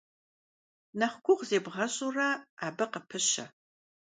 Нэхъ гугъу зебгъэщӀурэ, абы къыпыщэ.